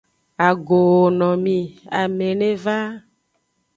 Agooo no mi; ame ne va.